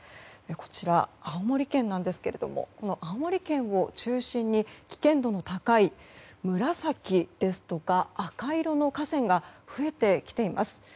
こちら、青森県ですが青森県を中心に危険度の高い紫ですとか赤色の河川が増えてきています。